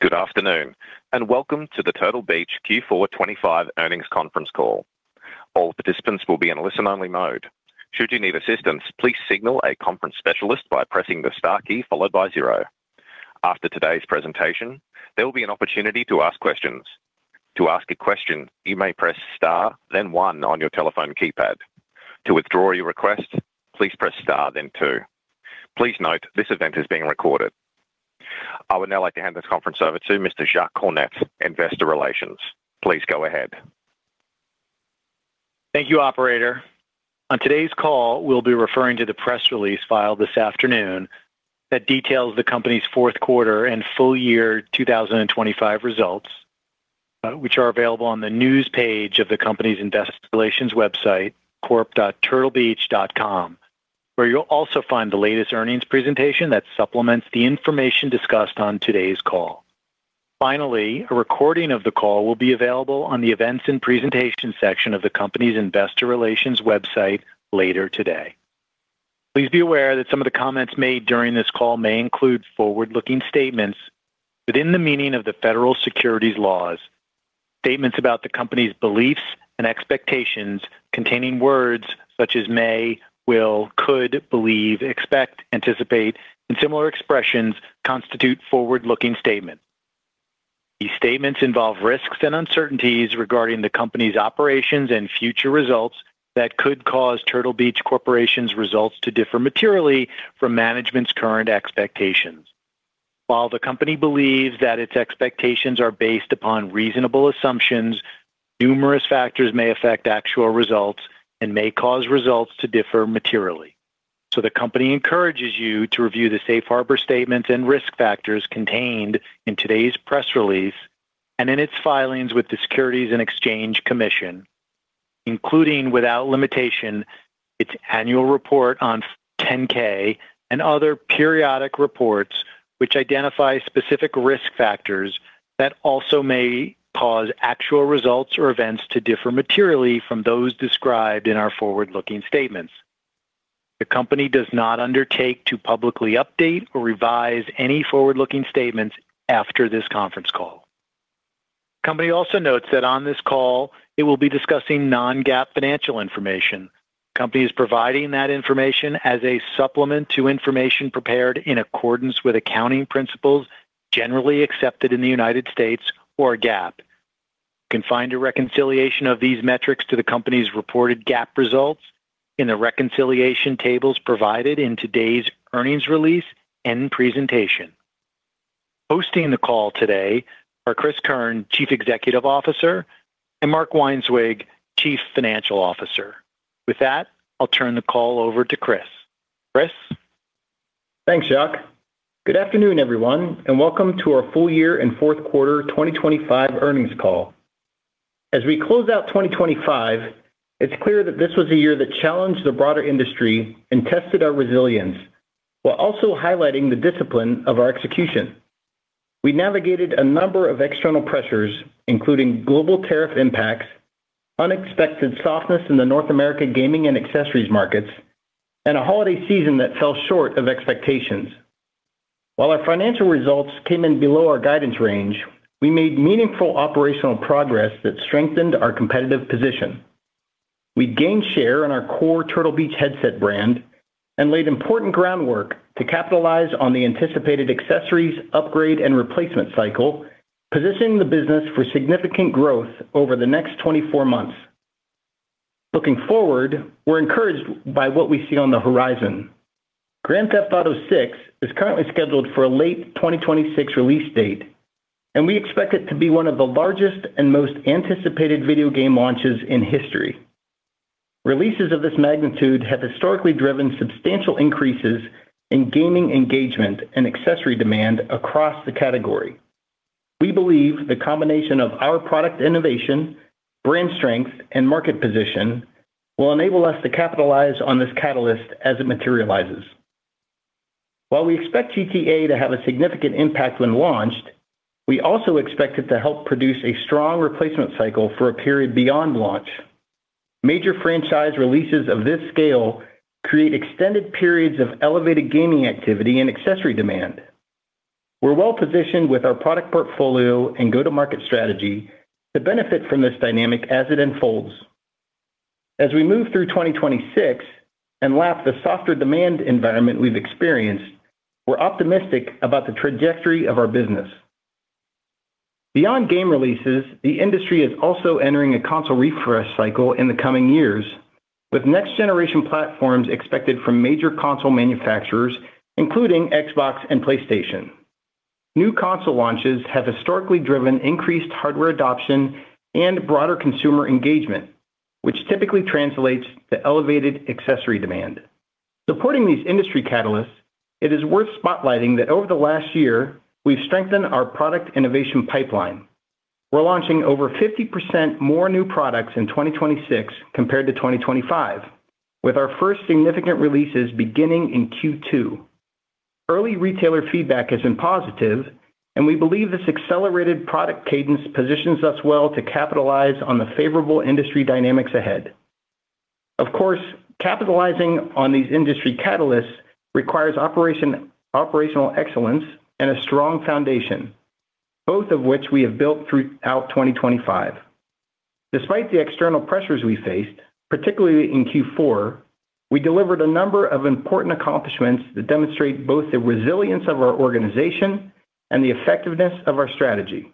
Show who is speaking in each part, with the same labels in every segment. Speaker 1: Good afternoon, and welcome to the Turtle Beach Q4 25 earnings conference call. All participants will be in a listen-only mode. Should you need assistance, please signal a conference specialist by pressing the Star key followed by zero. After today's presentation, there will be an opportunity to ask questions. To ask a question, you may press Star then one on your telephone keypad. To withdraw your request, please press star then two. Please note, this event is being recorded. I would now like to hand this conference over to Mr. Alex Thompson, Investor Relations. Please go ahead.
Speaker 2: Thank you, operator. On today's call, we'll be referring to the press release filed this afternoon that details the company's fourth quarter and full year 2025 results, which are available on the news page of the company's investor relations website, corp.turtlebeach.com, where you'll also find the latest earnings presentation that supplements the information discussed on today's call. Finally, a recording of the call will be available on the Events and Presentation section of the company's investor relations website later today. Please be aware that some of the comments made during this call may include forward-looking statements within the meaning of the federal securities laws. Statements about the company's beliefs and expectations containing words such as may, will, could, believe, expect, anticipate, and similar expressions constitute forward-looking statements. These statements involve risks and uncertainties regarding the company's operations and future results that could cause Turtle Beach Corporation's results to differ materially from management's current expectations. While the company believes that its expectations are based upon reasonable assumptions, numerous factors may affect actual results and may cause results to differ materially. The company encourages you to review the safe harbor statements and risk factors contained in today's press release and in its filings with the Securities and Exchange Commission, including, without limitation, its annual report on Form 10-K and other periodic reports, which identify specific risk factors that also may cause actual results or events to differ materially from those described in our forward-looking statements. The company does not undertake to publicly update or revise any forward-looking statements after this conference call. The company also notes that on this call, it will be discussing non-GAAP financial information. The company is providing that information as a supplement to information prepared in accordance with accounting principles generally accepted in the United States or GAAP. You can find a reconciliation of these metrics to the company's reported GAAP results in the reconciliation tables provided in today's earnings release and presentation. Hosting the call today are Cris Keirn, Chief Executive Officer, and Mark Weinswig, Chief Financial Officer. With that, I'll turn the call over to Cris. Cris.
Speaker 3: Thanks, Alex. Good afternoon, everyone, and welcome to our full year and fourth quarter 2025 earnings call. As we close out 2025, it's clear that this was a year that challenged the broader industry and tested our resilience while also highlighting the discipline of our execution. We navigated a number of external pressures, including global tariff impacts, unexpected softness in the North American gaming and accessories markets, and a holiday season that fell short of expectations. While our financial results came in below our guidance range, we made meaningful operational progress that strengthened our competitive position. We gained share in our core Turtle Beach headset brand and laid important groundwork to capitalize on the anticipated accessories upgrade and replacement cycle, positioning the business for significant growth over the next 24 months. Looking forward, we're encouraged by what we see on the horizon. Grand Theft Auto VI is currently scheduled for a late 2026 release date, and we expect it to be one of the largest and most anticipated video game launches in history. Releases of this magnitude have historically driven substantial increases in gaming engagement and accessory demand across the category. We believe the combination of our product innovation, brand strength, and market position will enable us to capitalize on this catalyst as it materializes. While we expect GTA to have a significant impact when launched, we also expect it to help produce a strong replacement cycle for a period beyond launch. Major franchise releases of this scale create extended periods of elevated gaming activity and accessory demand. We're well-positioned with our product portfolio and go-to-market strategy to benefit from this dynamic as it unfolds. As we move through 2026 and lap the softer demand environment we've experienced, we're optimistic about the trajectory of our business. Beyond game releases, the industry is also entering a console refresh cycle in the coming years, with next-generation platforms expected from major console manufacturers, including Xbox and PlayStation. New console launches have historically driven increased hardware adoption and broader consumer engagement, which typically translates to elevated accessory demand. Supporting these industry catalysts, it is worth spotlighting that over the last year, we've strengthened our product innovation pipeline. We're launching over 50% more new products in 2026 compared to 2025, with our first significant releases beginning in Q2. Early retailer feedback has been positive, and we believe this accelerated product cadence positions us well to capitalize on the favorable industry dynamics ahead. Of course, capitalizing on these industry catalysts requires operational excellence and a strong foundation, both of which we have built throughout 2025. Despite the external pressures we faced, particularly in Q4, we delivered a number of important accomplishments that demonstrate both the resilience of our organization and the effectiveness of our strategy.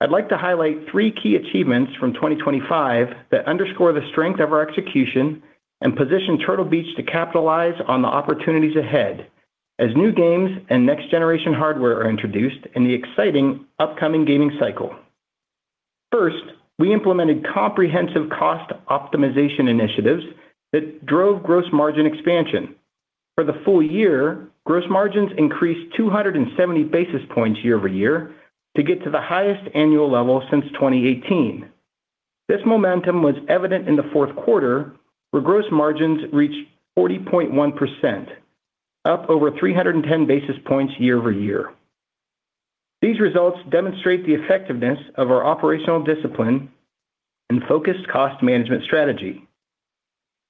Speaker 3: I'd like to highlight three key achievements from 2025 that underscore the strength of our execution and position Turtle Beach to capitalize on the opportunities ahead as new games and next-generation hardware are introduced in the exciting upcoming gaming cycle. First, we implemented comprehensive cost optimization initiatives that drove gross margin expansion. For the full year, gross margins increased 270 basis points year-over-year to get to the highest annual level since 2018. This momentum was evident in the fourth quarter, where gross margins reached 40.1%, up over 310 basis points year-over-year. These results demonstrate the effectiveness of our operational discipline and focused cost management strategy.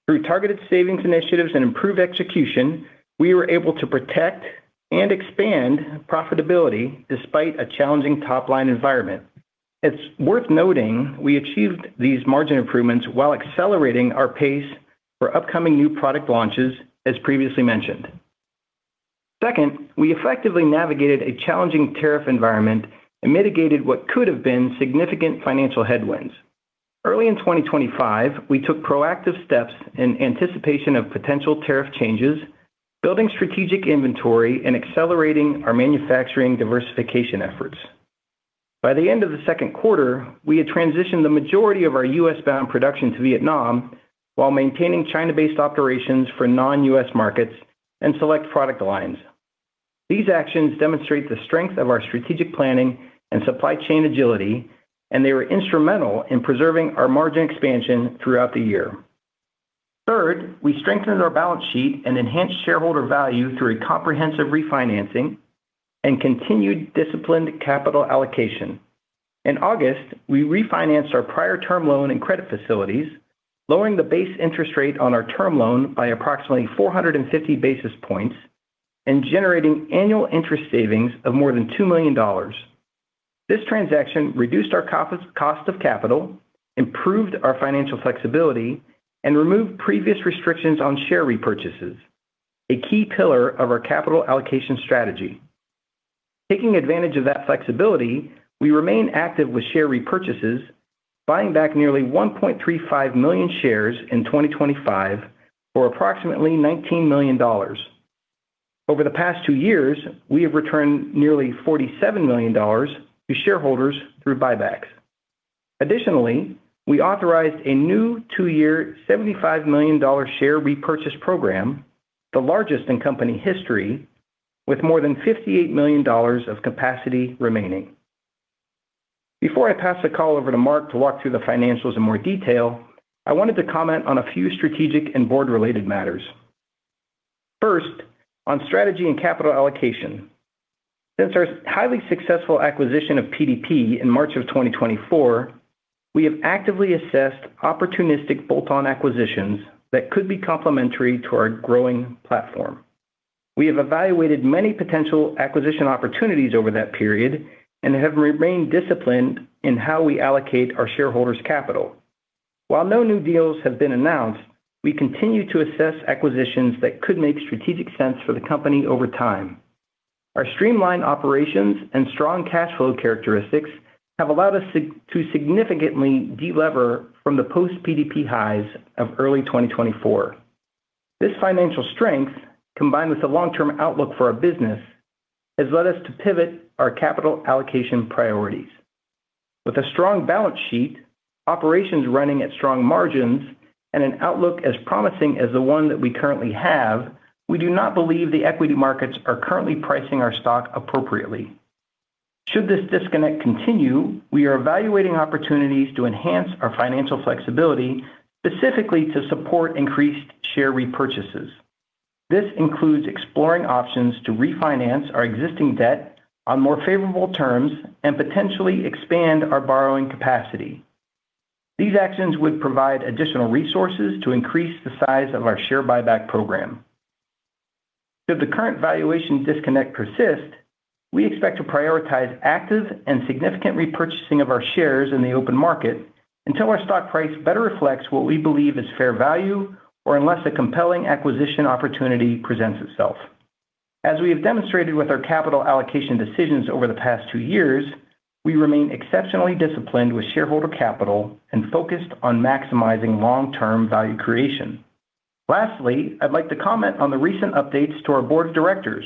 Speaker 3: Through targeted savings initiatives and improved execution, we were able to protect and expand profitability despite a challenging top-line environment. It's worth noting we achieved these margin improvements while accelerating our pace for upcoming new product launches, as previously mentioned. Second, we effectively navigated a challenging tariff environment and mitigated what could have been significant financial headwinds. Early in 2025, we took proactive steps in anticipation of potential tariff changes, building strategic inventory and accelerating our manufacturing diversification efforts. By the end of the second quarter, we had transitioned the majority of our U.S.-bound production to Vietnam while maintaining China-based operations for non-U.S. markets and select product lines. These actions demonstrate the strength of our strategic planning and supply chain agility, and they were instrumental in preserving our margin expansion throughout the year. Third, we strengthened our balance sheet and enhanced shareholder value through a comprehensive refinancing and continued disciplined capital allocation. In August, we refinanced our prior term loan and credit facilities, lowering the base interest rate on our term loan by approximately 450 basis points and generating annual interest savings of more than $2 million. This transaction reduced our cost of capital, improved our financial flexibility, and removed previous restrictions on share repurchases, a key pillar of our capital allocation strategy. Taking advantage of that flexibility, we remain active with share repurchases, buying back nearly 1.35 million shares in 2025 for approximately $19 million. Over the past two years, we have returned nearly $47 million to shareholders through buybacks. Additionally, we authorized a new two year $75 million share repurchase program, the largest in company history, with more than $58 million of capacity remaining. Before I pass the call over to Mark to walk through the financials in more detail, I wanted to comment on a few strategic and board-related matters. First, on strategy and capital allocation. Since our highly successful acquisition of PDP in March of 2024, we have actively assessed opportunistic bolt-on acquisitions that could be complementary to our growing platform. We have evaluated many potential acquisition opportunities over that period and have remained disciplined in how we allocate our shareholders' capital. While no new deals have been announced, we continue to assess acquisitions that could make strategic sense for the company over time. Our streamlined operations and strong cash flow characteristics have allowed us to significantly de-lever from the post-PDP highs of early 2024. This financial strength, combined with the long-term outlook for our business, has led us to pivot our capital allocation priorities. With a strong balance sheet, operations running at strong margins, and an outlook as promising as the one that we currently have, we do not believe the equity markets are currently pricing our stock appropriately. Should this disconnect continue, we are evaluating opportunities to enhance our financial flexibility, specifically to support increased share repurchases. This includes exploring options to refinance our existing debt on more favorable terms and potentially expand our borrowing capacity. These actions would provide additional resources to increase the size of our share buyback program. Should the current valuation disconnect persist, we expect to prioritize active and significant repurchasing of our shares in the open market until our stock price better reflects what we believe is fair value or unless a compelling acquisition opportunity presents itself. As we have demonstrated with our capital allocation decisions over the past two years, we remain exceptionally disciplined with shareholder capital and focused on maximizing long-term value creation. Lastly, I'd like to comment on the recent updates to our board of directors.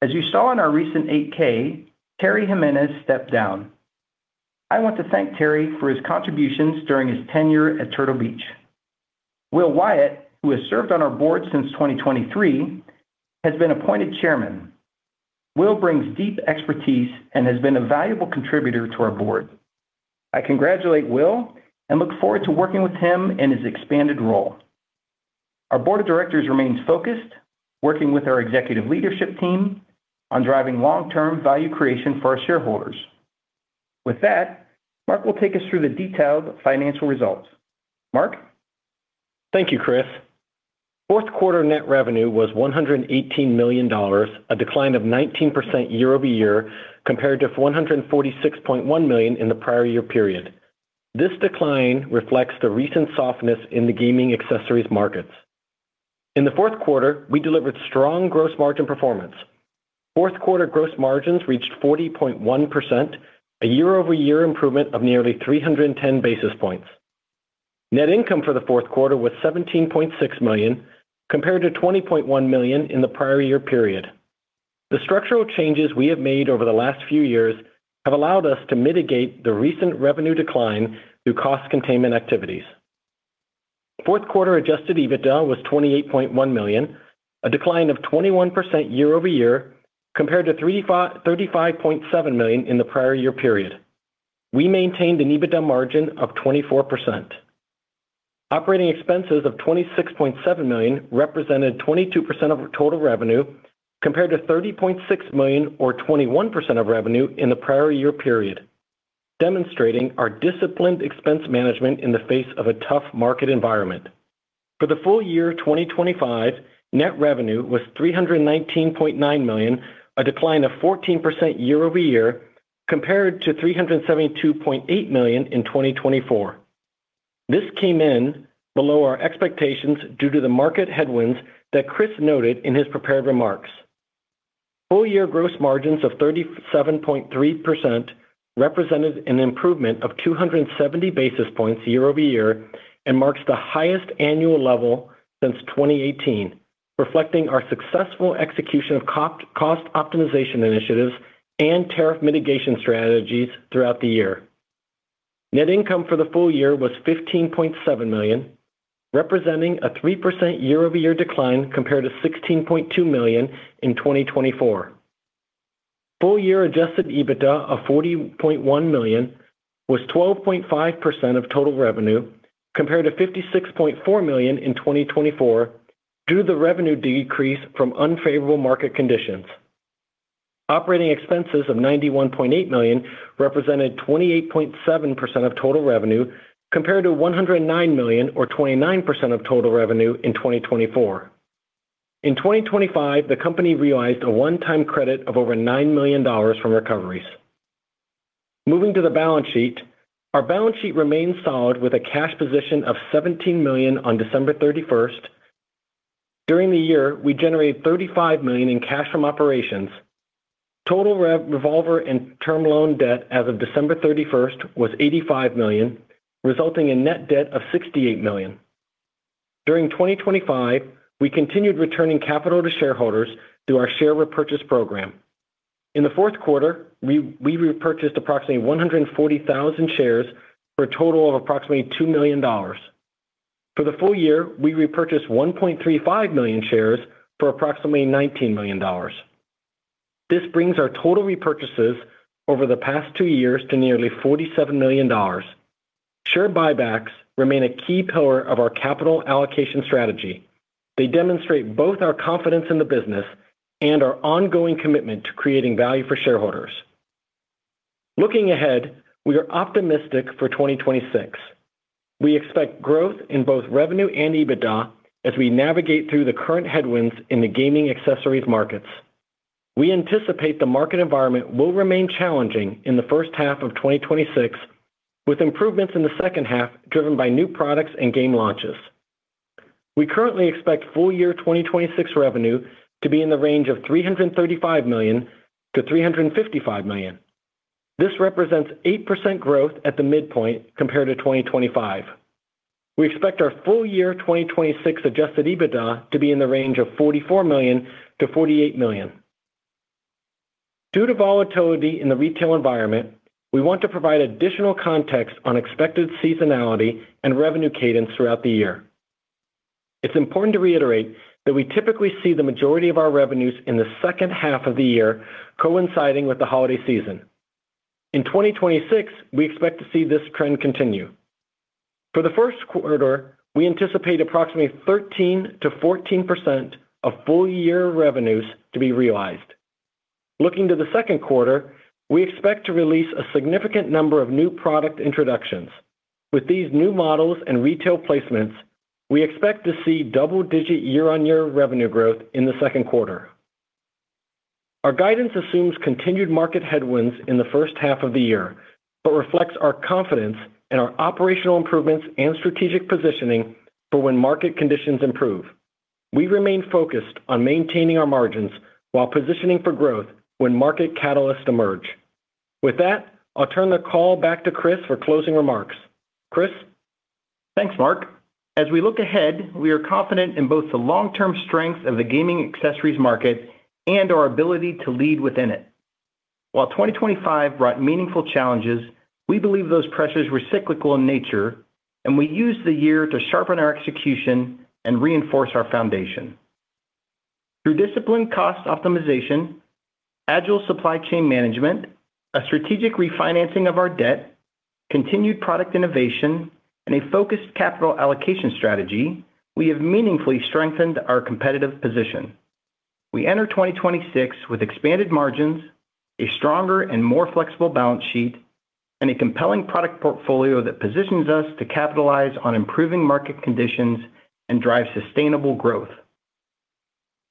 Speaker 3: As you saw in our recent Form 8-K, Terry Jimenez stepped down. I want to thank Terry for his contributions during his tenure at Turtle Beach. William Wyatt, who has served on our board since 2023, has been appointed chairman. Will brings deep expertise and has been a valuable contributor to our board. I congratulate Will and look forward to working with him in his expanded role. Our board of directors remains focused, working with our executive leadership team on driving long-term value creation for our shareholders. With that, Mark will take us through the detailed financial results. Mark?
Speaker 4: Thank you, Cris. Fourth quarter net revenue was $118 million, a decline of 19% year-over-year compared to $446.1 million in the prior year period. This decline reflects the recent softness in the gaming accessories markets. In the fourth quarter, we delivered strong gross margin performance. Fourth quarter gross margins reached 40.1%, a year-over-year improvement of nearly 310 basis points. Net income for the fourth quarter was $17.6 million, compared to $20.1 million in the prior year period. The structural changes we have made over the last few years have allowed us to mitigate the recent revenue decline through cost containment activities. Fourth quarter Adjusted EBITDA was $28.1 million, a decline of 21% year-over-year compared to $35.7 million in the prior year period. We maintained an EBITDA margin of 24%. Operating expenses of $26.7 million represented 22% of total revenue, compared to $30.6 million or 21% of revenue in the prior year period, demonstrating our disciplined expense management in the face of a tough market environment. For the full year 2025, net revenue was $319.9 million, a decline of 14% year-over-year compared to $372.8 million in 2024. This came in below our expectations due to the market headwinds that Cris noted in his prepared remarks. Full year gross margins of 37.3% represented an improvement of 270 basis points year-over-year and marks the highest annual level since 2018, reflecting our successful execution of cost optimization initiatives and tariff mitigation strategies throughout the year. Net income for the full year was $15.7 million, representing a 3% year-over-year decline compared to $16.2 million in 2024. Full year Adjusted EBITDA of $40.1 million was 12.5% of total revenue, compared to $56.4 million in 2024 due to the revenue decrease from unfavorable market conditions. Operating expenses of $91.8 million represented 28.7% of total revenue, compared to $109 million or 29% of total revenue in 2024. In 2025, the company realized a one-time credit of over $9 million from recoveries. Moving to the balance sheet. Our balance sheet remains solid with a cash position of $17 million on December 31. During the year, we generated $35 million in cash from operations. Total revolver and term loan debt as of December 31 was $85 million, resulting in net debt of $68 million. During 2025, we continued returning capital to shareholders through our share repurchase program. In the fourth quarter, we repurchased approximately 140,000 shares for a total of approximately $2 million. For the full year, we repurchased 1.35 million shares for approximately $19 million. This brings our total repurchases over the past two years to nearly $47 million. Share buybacks remain a key pillar of our capital allocation strategy. They demonstrate both our confidence in the business and our ongoing commitment to creating value for shareholders. Looking ahead, we are optimistic for 2026. We expect growth in both revenue and EBITDA as we navigate through the current headwinds in the gaming accessories markets. We anticipate the market environment will remain challenging in the first half of 2026, with improvements in the second half driven by new products and game launches. We currently expect full year 2026 revenue to be in the range of $335 million-$355 million. This represents 8% growth at the midpoint compared to 2025. We expect our full year 2026 Adjusted EBITDA to be in the range of $44 million-$48 million. Due to volatility in the retail environment, we want to provide additional context on expected seasonality and revenue cadence throughout the year. It's important to reiterate that we typically see the majority of our revenues in the second half of the year coinciding with the holiday season. In 2026, we expect to see this trend continue. For the first quarter, we anticipate approximately 13%-14% of full year revenues to be realized. Looking to the second quarter, we expect to release a significant number of new product introductions. With these new models and retail placements, we expect to see double-digit year-on-year revenue growth in the second quarter. Our guidance assumes continued market headwinds in the first half of the year, but reflects our confidence in our operational improvements and strategic positioning for when market conditions improve. We remain focused on maintaining our margins while positioning for growth when market catalysts emerge. With that, I'll turn the call back to Cris for closing remarks. Cris?
Speaker 3: Thanks, Mark. As we look ahead, we are confident in both the long-term strength of the gaming accessories market and our ability to lead within it. While 2025 brought meaningful challenges, we believe those pressures were cyclical in nature, and we used the year to sharpen our execution and reinforce our foundation. Through disciplined cost optimization, agile supply chain management, a strategic refinancing of our debt, continued product innovation, and a focused capital allocation strategy, we have meaningfully strengthened our competitive position. We enter 2026 with expanded margins, a stronger and more flexible balance sheet, and a compelling product portfolio that positions us to capitalize on improving market conditions and drive sustainable growth.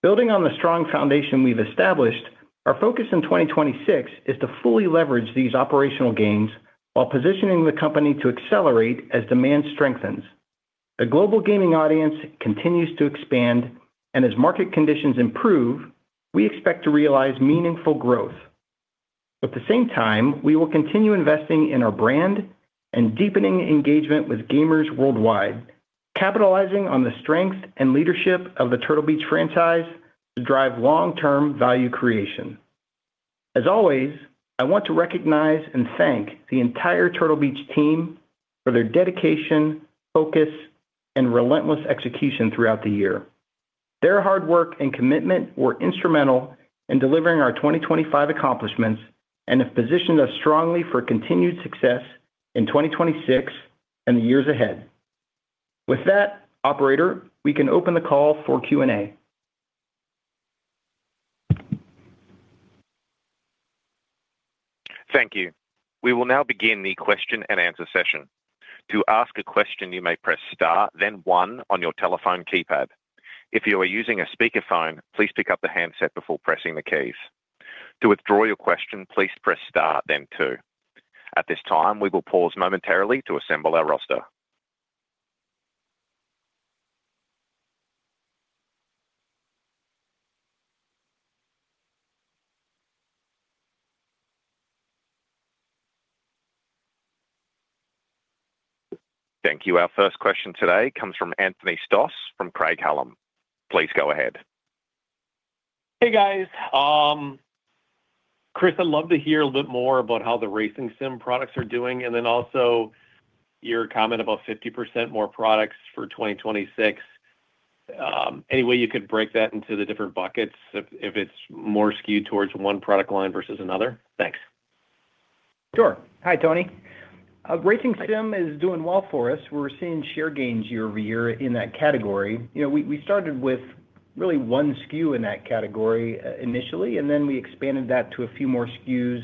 Speaker 3: Building on the strong foundation we've established, our focus in 2026 is to fully leverage these operational gains while positioning the company to accelerate as demand strengthens. The global gaming audience continues to expand, and as market conditions improve, we expect to realize meaningful growth. At the same time, we will continue investing in our brand and deepening engagement with gamers worldwide, capitalizing on the strength and leadership of the Turtle Beach franchise to drive long-term value creation. As always, I want to recognize and thank the entire Turtle Beach team for their dedication, focus, and relentless execution throughout the year. Their hard work and commitment were instrumental in delivering our 2025 accomplishments and have positioned us strongly for continued success in 2026 and the years ahead. With that, operator, we can open the call for Q&A.
Speaker 1: Thank you. We will now begin the question-and-answer session. To ask a question, you may press star, then one on your telephone keypad. If you are using a speakerphone, please pick up the handset before pressing the keys. To withdraw your question, please press star, then two. At this time, we will pause momentarily to assemble our roster. Thank you. Our first question today comes from Anthony Stoss from Craig-Hallum. Please go ahead.
Speaker 5: Hey, guys. Cris, I'd love to hear a little bit more about how the racing sim products are doing, and then also your comment about 50% more products for 2026. Any way you could break that into the different buckets if it's more skewed towards one product line versus another? Thanks.
Speaker 3: Sure. Hi, Tony. Racing sim is doing well for us. We're seeing share gains year-over-year in that category. You know, we started with really one SKU in that category initially, and then we expanded that to a few more SKUs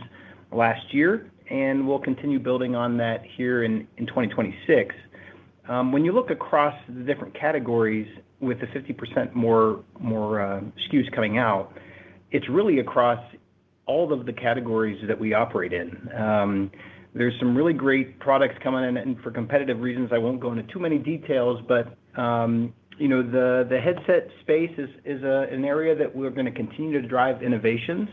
Speaker 3: last year, and we'll continue building on that here in 2026. When you look across the different categories with the 50% more SKUs coming out, it's really across all of the categories that we operate in. There's some really great products coming in, and for competitive reasons, I won't go into too many details. You know, the headset space is an area that we're gonna continue to drive innovations,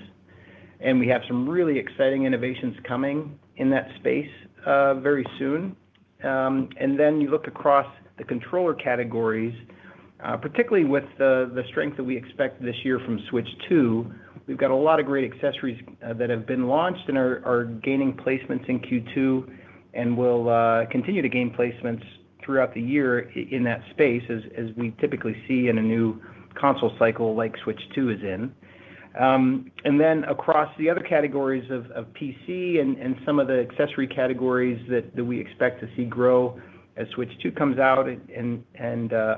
Speaker 3: and we have some really exciting innovations coming in that space very soon. You look across the controller categories, particularly with the strength that we expect this year from Switch two. We've got a lot of great accessories that have been launched and are gaining placements in Q2 and will continue to gain placements throughout the year in that space as we typically see in a new console cycle like Switch 2 is in. Across the other categories of PC and some of the accessory categories that we expect to see grow as Switch two comes out and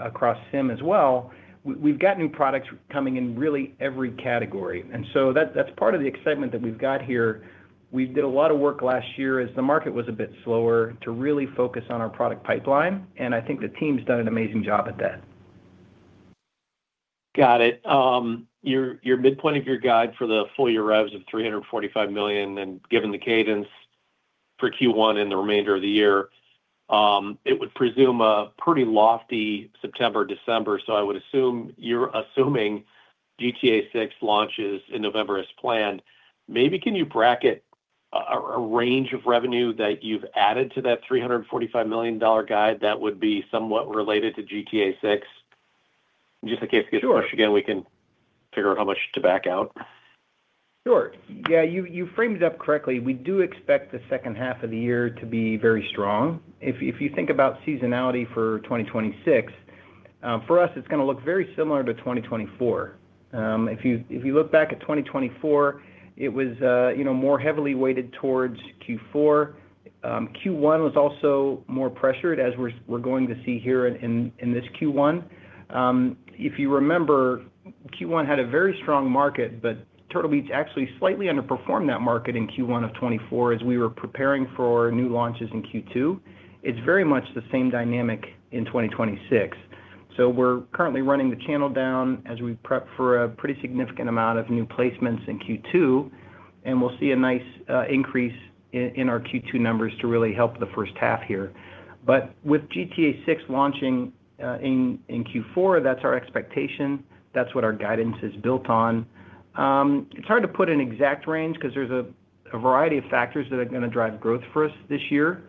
Speaker 3: across Sim as well, we've got new products coming in really every category. That's part of the excitement that we've got here. We did a lot of work last year as the market was a bit slower to really focus on our product pipeline, and I think the team's done an amazing job at that.
Speaker 5: Got it. Your midpoint of your guide for the full year revs of $345 million, and given the cadence for Q1 and the remainder of the year, it would presume a pretty lofty September, December. I would assume you're assuming GTA VI launches in November as planned. Maybe can you bracket a range of revenue that you've added to that $345 million dollar guide that would be somewhat related to GTA VI? Just in case we get-
Speaker 3: Sure
Speaker 5: Again, we can figure out how much to back out.
Speaker 3: Sure. Yeah, you framed it up correctly. We do expect the second half of the year to be very strong. If you think about seasonality for 2026, for us, it's gonna look very similar to 2024. If you look back at 2024, it was, you know, more heavily weighted towards Q4. Q1 was also more pressured as we're going to see here in this Q1. If you remember, Q1 had a very strong market, but Turtle Beach actually slightly underperformed that market in Q1 of 2024 as we were preparing for new launches in Q2. It's very much the same dynamic in 2026. We're currently running the channel down as we prep for a pretty significant amount of new placements in Q2, and we'll see a nice increase in our Q2 numbers to really help the first half here. With GTA VI launching in Q4, that's our expectation. That's what our guidance is built on. It's hard to put an exact range because there's a variety of factors that are gonna drive growth for us this year.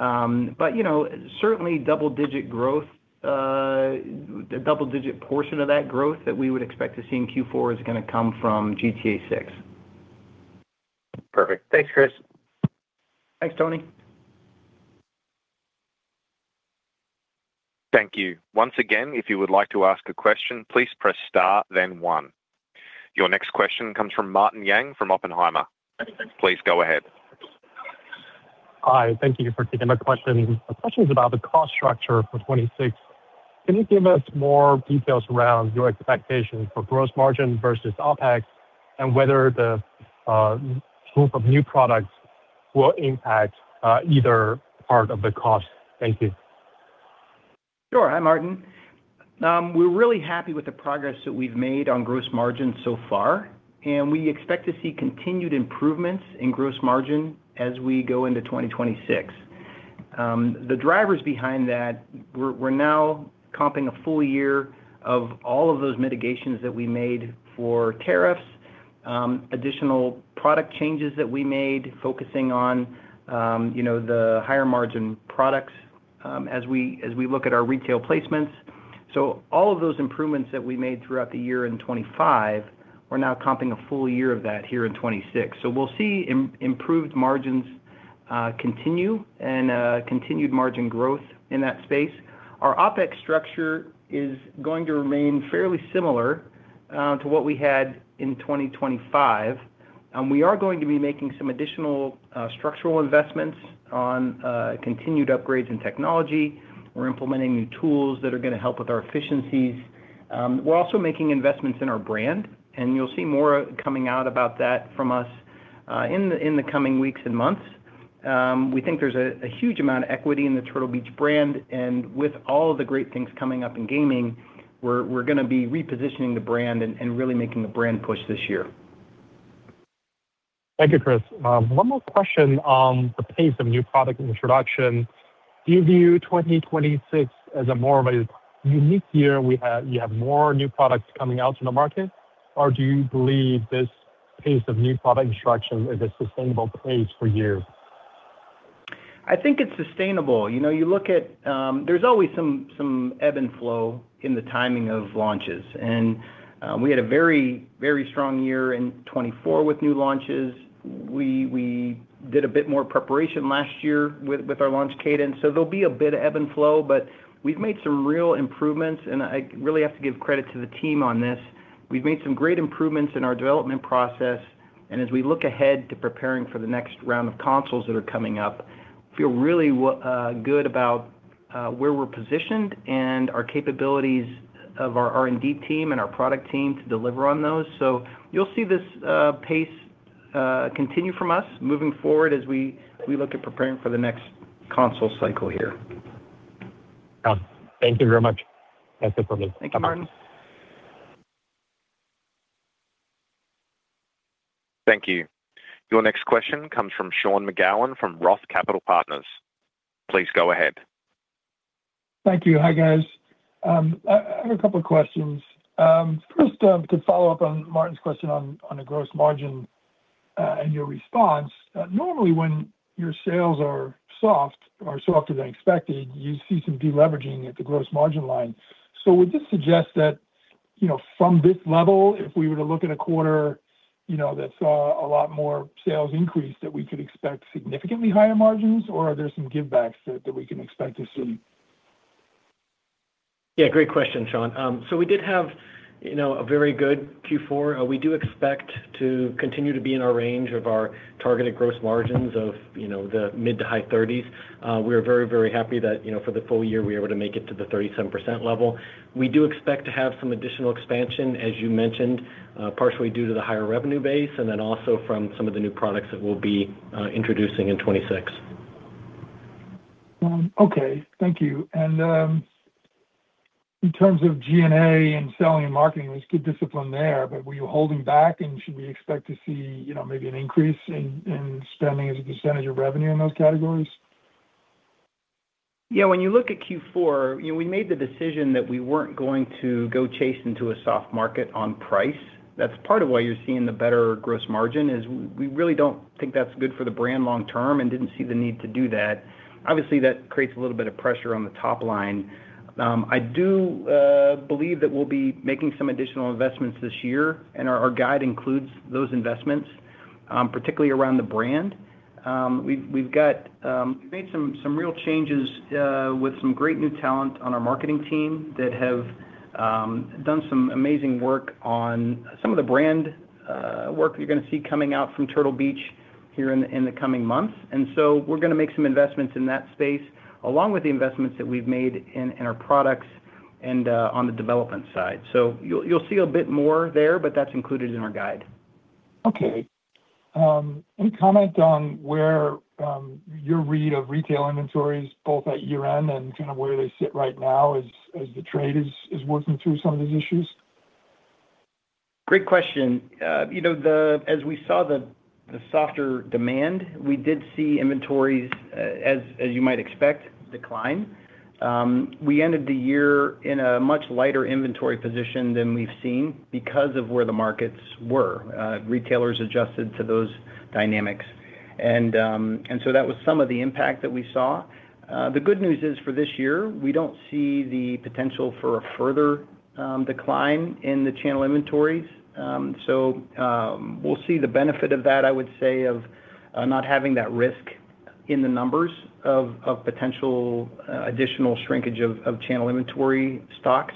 Speaker 3: You know, certainly double-digit growth, the double-digit portion of that growth that we would expect to see in Q4 is gonna come from GTA VI.
Speaker 5: Perfect. Thanks, Cris.
Speaker 3: Thanks, Tony.
Speaker 1: Thank you. Once again, if you would like to ask a question, please press star, then one. Your next question comes from Martin Yang from Oppenheimer. Please go ahead.
Speaker 6: Hi, thank you for taking my question. My question is about the cost structure for 26. Can you give us more details around your expectations for gross margin versus OpEx and whether the scope of new products will impact either part of the cost? Thank you.
Speaker 3: Sure. Hi, Martin. We're really happy with the progress that we've made on gross margin so far, and we expect to see continued improvements in gross margin as we go into 2026. The drivers behind that, we're now comping a full year of all of those mitigations that we made for tariffs, additional product changes that we made, focusing on you know, the higher margin products, as we look at our retail placements. All of those improvements that we made throughout the year in 2025, we're now comping a full year of that here in 2026. We'll see improved margins continue and continued margin growth in that space. Our OpEx structure is going to remain fairly similar to what we had in 2025. We are going to be making some additional, structural investments on continued upgrades in technology. We're implementing new tools that are gonna help with our efficiencies. We're also making investments in our brand, and you'll see more coming out about that from us, in the coming weeks and months. We think there's a huge amount of equity in the Turtle Beach brand, and with all of the great things coming up in gaming, we're gonna be repositioning the brand and really making the brand push this year.
Speaker 6: Thank you, Cris. One more question on the pace of new product introduction. Do you view 2026 as more of a unique year you have more new products coming out to the market, or do you believe this pace of new product introduction is a sustainable pace for you?
Speaker 3: I think it's sustainable. You know, you look at, there's always some ebb and flow in the timing of launches. We had a very strong year in 2024 with new launches. We did a bit more preparation last year with our launch cadence. There'll be a bit of ebb and flow, but we've made some real improvements, and I really have to give credit to the team on this. We've made some great improvements in our development process, and as we look ahead to preparing for the next round of consoles that are coming up, feel really good about where we're positioned and our capabilities of our R&D team and our product team to deliver on those. You'll see this pace continue from us moving forward as we look at preparing for the next console cycle here.
Speaker 6: Thank you very much. That's it for me.
Speaker 3: Thank you, Martin.
Speaker 1: Thank you. Your next question comes from Sean McGowan from ROTH Capital Partners. Please go ahead.
Speaker 7: Thank you. Hi, guys. I have a couple of questions. First, to follow up on Martin's question on the gross margin and your response. Normally when your sales are soft or softer than expected, you see some deleveraging at the gross margin line. Would this suggest that, you know, from this level, if we were to look at a quarter, you know, that saw a lot more sales increase, that we could expect significantly higher margins, or are there some give backs that we can expect to see?
Speaker 3: Yeah, great question, Sean. So we did have, you know, a very good Q4. We do expect to continue to be in our range of our targeted gross margins of, you know, the mid- to high 30s%. We are very, very happy that, you know, for the full year, we were able to make it to the 37% level. We do expect to have some additional expansion, as you mentioned, partially due to the higher revenue base, and then also from some of the new products that we'll be introducing in 2026.
Speaker 7: In terms of G&A and selling and marketing, there's good discipline there, but were you holding back and should we expect to see, you know, maybe an increase in spending as a percentage of revenue in those categories?
Speaker 3: Yeah. When you look at Q4, you know, we made the decision that we weren't going to go chasing to a soft market on price. That's part of why you're seeing the better gross margin is we really don't think that's good for the brand long term and didn't see the need to do that. Obviously, that creates a little bit of pressure on the top line. I do believe that we'll be making some additional investments this year, and our guide includes those investments, particularly around the brand. We've made some real changes with some great new talent on our marketing team that have done some amazing work on some of the brand work you're gonna see coming out from Turtle Beach here in the coming months. We're gonna make some investments in that space, along with the investments that we've made in our products and on the development side. You'll see a bit more there, but that's included in our guide.
Speaker 7: Okay. Any comment on where your read of retail inventories both at year-end and kind of where they sit right now as the trade is working through some of these issues?
Speaker 3: Great question. As we saw the softer demand, we did see inventories, as you might expect, decline. We ended the year in a much lighter inventory position than we've seen because of where the markets were. Retailers adjusted to those dynamics. That was some of the impact that we saw. The good news is for this year, we don't see the potential for a further decline in the channel inventories. We'll see the benefit of that, I would say, not having that risk in the numbers of potential additional shrinkage of channel inventory stocks.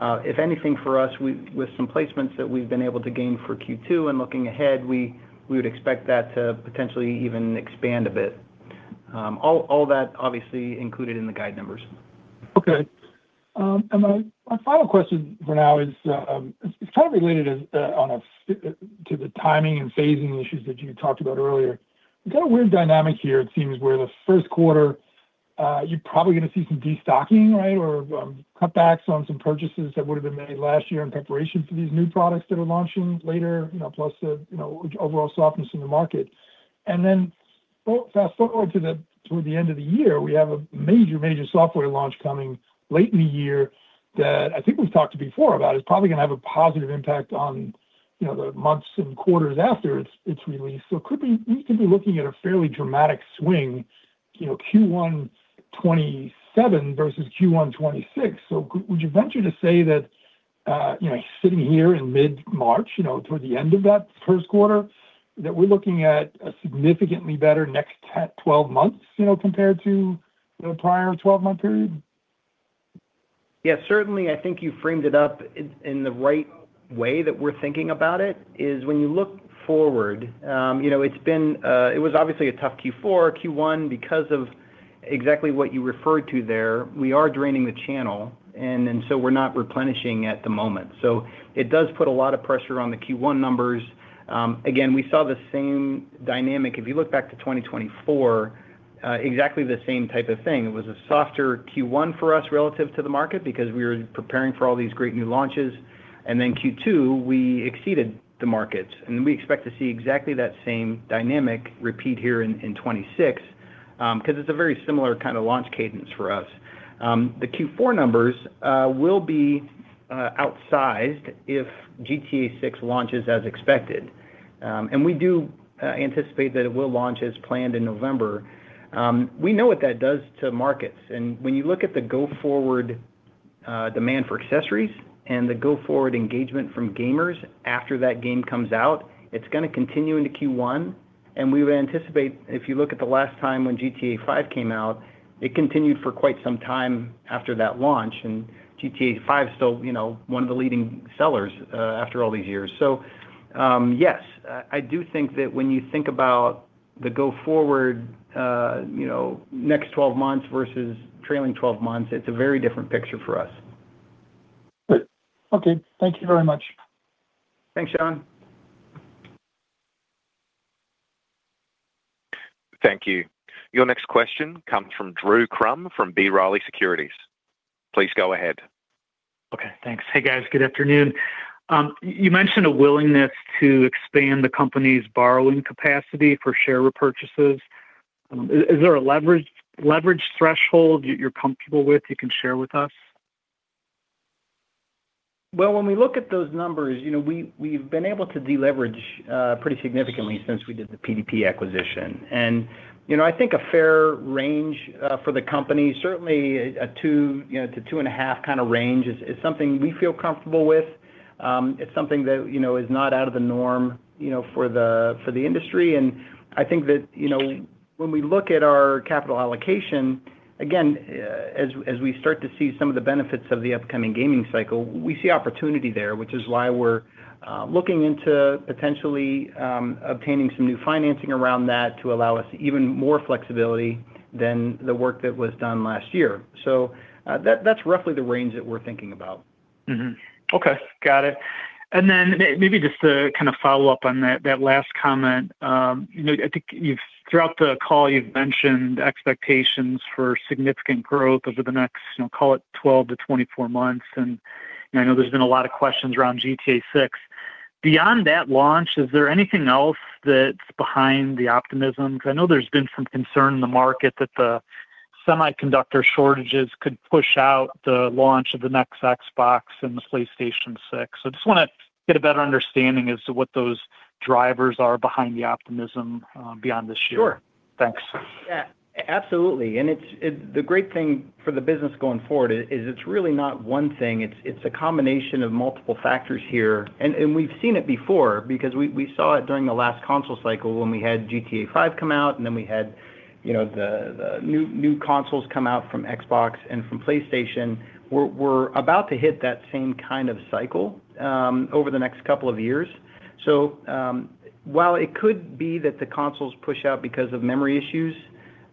Speaker 3: If anything for us, with some placements that we've been able to gain for Q2 and looking ahead, we would expect that to potentially even expand a bit. All that obviously included in the guide numbers.
Speaker 7: Okay. My final question for now is, it's kind of related to the timing and phasing issues that you had talked about earlier. We've got a weird dynamic here, it seems, where the first quarter, you're probably gonna see some destocking, right? Or cutbacks on some purchases that would've been made last year in preparation for these new products that are launching later, you know, plus the you know overall softness in the market. Then fast-forward to the end of the year, we have a major software launch coming late in the year that I think we've talked before about. It's probably gonna have a positive impact on, you know, the months and quarters after its release. It could be we could be looking at a fairly dramatic swing, you know, Q1 2027 versus Q1 2026. Would you venture to say that, you know, sitting here in mid-March, you know, toward the end of that first quarter, that we're looking at a significantly better next 12 months, you know, compared to the prior 12-month period?
Speaker 3: Yeah, certainly, I think you framed it up in the right way that we're thinking about it, is when you look forward, you know, it's been, it was obviously a tough Q4, Q1, because of exactly what you referred to there, we are draining the channel and so we're not replenishing at the moment. It does put a lot of pressure on the Q1 numbers. Again, we saw the same dynamic. If you look back to 2024, exactly the same type of thing. It was a softer Q1 for us relative to the market because we were preparing for all these great new launches. Then Q2, we exceeded the market. We expect to see exactly that same dynamic repeat here in 2026, 'cause it's a very similar kind of launch cadence for us. The Q4 numbers will be outsized if GTA VI launches as expected. We do anticipate that it will launch as planned in November. We know what that does to markets. When you look at the go-forward demand for accessories and the go-forward engagement from gamers after that game comes out, it's gonna continue into Q1. We would anticipate, if you look at the last time when GTA V came out, it continued for quite some time after that launch. GTA V is still, you know, one of the leading sellers after all these years. Yes, I do think that when you think about the go-forward, you know, next 12 months versus trailing 12 months, it's a very different picture for us.
Speaker 7: Good. Okay. Thank you very much.
Speaker 3: Thanks, Sean.
Speaker 1: Thank you. Your next question comes from Drew Crum from B. Riley Securities. Please go ahead.
Speaker 8: Okay. Thanks. Hey, guys. Good afternoon. You mentioned a willingness to expand the company's borrowing capacity for share repurchases. Is there a leverage threshold you're comfortable with, you can share with us?
Speaker 3: When we look at those numbers, you know, we've been able to deleverage pretty significantly since we did the PDP acquisition. You know, I think a fair range for the company, certainly a 2-2.5 kind of range is something we feel comfortable with. It's something that, you know, is not out of the norm, you know, for the industry. I think that, you know, when we look at our capital allocation, again, as we start to see some of the benefits of the upcoming gaming cycle, we see opportunity there, which is why we're looking into potentially obtaining some new financing around that to allow us even more flexibility than the work that was done last year. That's roughly the range that we're thinking about.
Speaker 8: Mm-hmm. Okay. Got it. Then maybe just to kind of follow up on that last comment, you know, I think you've throughout the call, you've mentioned expectations for significant growth over the next, you know, call it 12-24 months. You know, I know there's been a lot of questions around GTA VI. Beyond that launch, is there anything else that's behind the optimism? Because I know there's been some concern in the market that the semiconductor shortages could push out the launch of the next Xbox and the PlayStation 6. I just wanna get a better understanding as to what those drivers are behind the optimism, beyond this year.
Speaker 3: Sure.
Speaker 8: Thanks.
Speaker 3: Yeah, absolutely. It's the great thing for the business going forward is it's really not one thing. It's a combination of multiple factors here. We've seen it before because we saw it during the last console cycle when we had GTA V come out, and then we had, you know, the new consoles come out from Xbox and from PlayStation. We're about to hit that same kind of cycle over the next couple of years. While it could be that the consoles push out because of memory issues,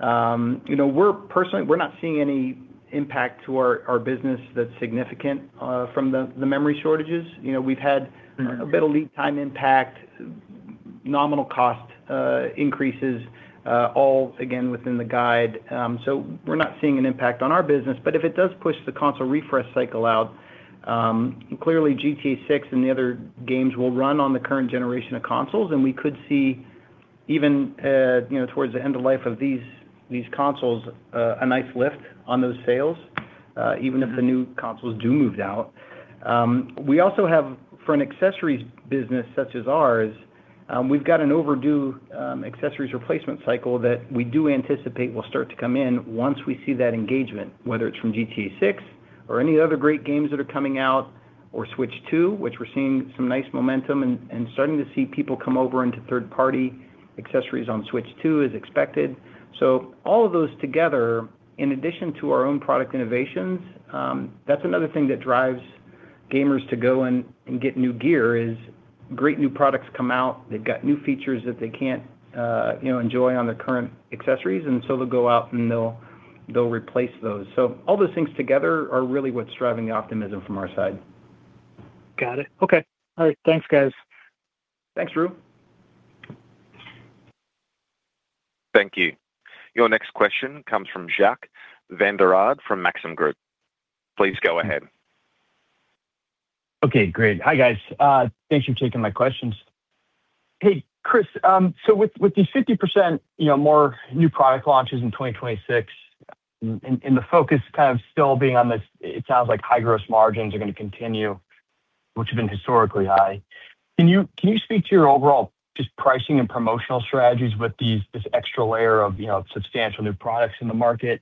Speaker 3: you know, we're personally not seeing any impact to our business that's significant from the memory shortages. You know, we've had-
Speaker 8: Mm-hmm
Speaker 3: A bit of lead time impact, nominal cost increases, all again within the guide. We're not seeing an impact on our business. If it does push the console refresh cycle out, clearly GTA VI and the other games will run on the current generation of consoles, and we could see even towards the end of life of these consoles, a nice lift on those sales.
Speaker 8: Mm-hmm
Speaker 3: Even if the new consoles do move out. We also have for an accessories business such as ours, we've got an overdue accessories replacement cycle that we do anticipate will start to come in once we see that engagement, whether it's from GTA VI or any other great games that are coming out. Switch two, which we're seeing some nice momentum and starting to see people come over into third-party accessories on Switch two as expected. All of those together, in addition to our own product innovations, that's another thing that drives gamers to go and get new gear is great new products come out. They've got new features that they can't, you know, enjoy on their current accessories, and so they'll go out and they'll replace those. All those things together are really what's driving the optimism from our side.
Speaker 8: Got it. Okay. All right. Thanks, guys.
Speaker 3: Thanks, Drew.
Speaker 1: Thank you. Your next question comes from Jack Vander Aarde from Maxim Group. Please go ahead.
Speaker 9: Okay, great. Hi, guys. Thanks for taking my questions. Hey, Cris, so with the 50%, you know, more new product launches in 2026 and the focus kind of still being on this, it sounds like high gross margins are gonna continue, which have been historically high. Can you speak to your overall just pricing and promotional strategies with this extra layer of, you know, substantial new products in the market?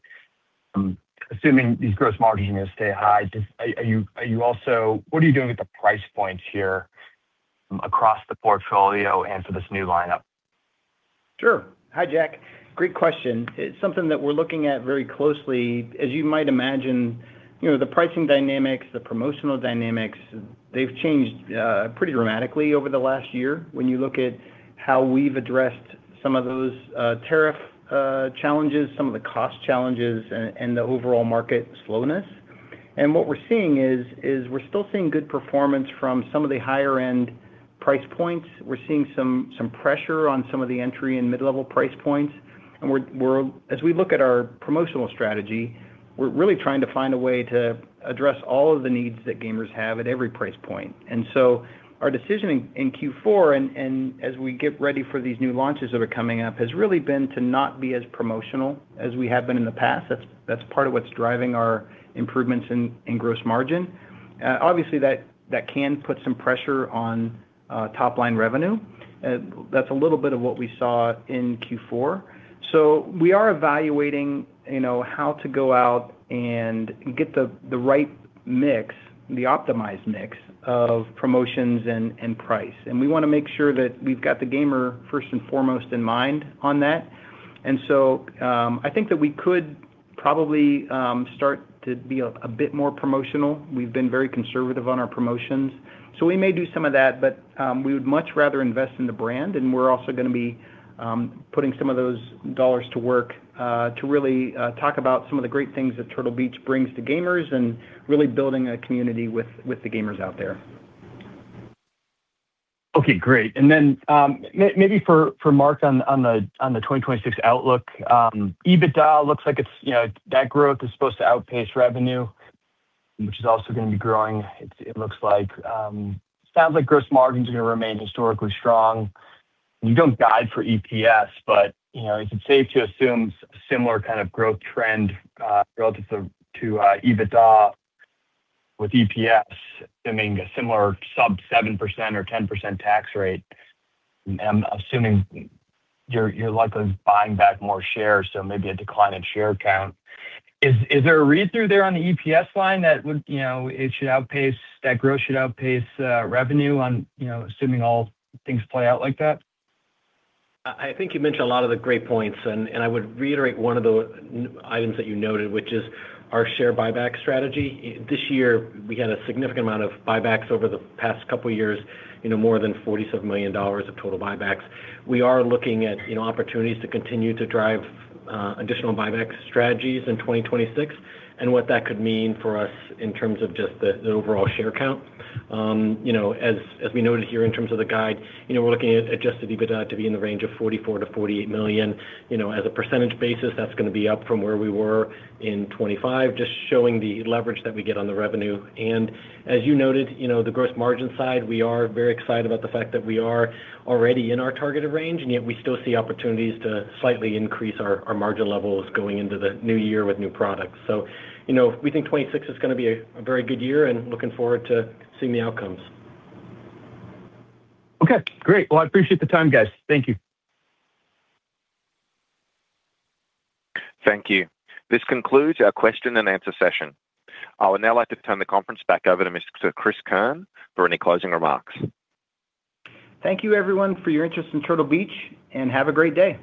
Speaker 9: Assuming these gross margins stay high, just what are you doing with the price points here across the portfolio and for this new lineup?
Speaker 3: Sure. Hi, Jack Vander Aarde. Great question. It's something that we're looking at very closely. As you might imagine, you know, the pricing dynamics, the promotional dynamics, they've changed pretty dramatically over the last year when you look at how we've addressed some of those tariff challenges, some of the cost challenges and the overall market slowness. What we're seeing is we're still seeing good performance from some of the higher end price points. We're seeing some pressure on some of the entry and mid-level price points. As we look at our promotional strategy, we're really trying to find a way to address all of the needs that gamers have at every price point. Our decision in Q4 and as we get ready for these new launches that are coming up has really been to not be as promotional as we have been in the past. That's part of what's driving our improvements in gross margin. Obviously, that can put some pressure on top line revenue. That's a little bit of what we saw in Q4. We are evaluating, you know, how to go out and get the right mix, the optimized mix of promotions and price. We wanna make sure that we've got the gamer first and foremost in mind on that. I think that we could probably start to be a bit more promotional. We've been very conservative on our promotions. We may do some of that, but we would much rather invest in the brand. We're also gonna be putting some of those dollars to work to really talk about some of the great things that Turtle Beach brings to gamers and really building a community with the gamers out there.
Speaker 9: Okay, great. Maybe for Mark on the 2026 outlook. EBITDA looks like it's, you know, that growth is supposed to outpace revenue, which is also gonna be growing. It looks like sounds like gross margins are gonna remain historically strong. You don't guide for EPS, but, you know, is it safe to assume similar kind of growth trend relative to EBITDA with EPS assuming a similar sub-7% or 10% tax rate? I'm assuming you're likely buying back more shares, so maybe a decline in share count. Is there a read-through there on the EPS line that the growth should outpace revenue, you know, assuming all things play out like that?
Speaker 4: I think you mentioned a lot of the great points, and I would reiterate one of the items that you noted, which is our share buyback strategy. This year, we had a significant amount of buybacks over the past couple years, you know, more than $47 million of total buybacks. We are looking at, you know, opportunities to continue to drive additional buyback strategies in 2026 and what that could mean for us in terms of just the overall share count. You know, as we noted here in terms of the guide, you know, we're looking at Adjusted EBITDA to be in the range of $44 million-$48 million. You know, as a percentage basis, that's gonna be up from where we were in 2025, just showing the leverage that we get on the revenue. As you noted, you know, the gross margin side, we are very excited about the fact that we are already in our targeted range, and yet we still see opportunities to slightly increase our margin levels going into the new year with new products. You know, we think 2026 is gonna be a very good year and looking forward to seeing the outcomes.
Speaker 9: Okay, great. Well, I appreciate the time, guys. Thank you.
Speaker 1: Thank you. This concludes our question and answer session. I would now like to turn the conference back over to Mr. Cris Keirn for any closing remarks.
Speaker 3: Thank you, everyone, for your interest in Turtle Beach, and have a great day.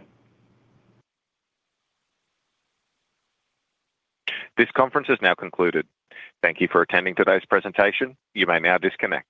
Speaker 1: This conference has now concluded. Thank you for attending today's presentation. You may now disconnect.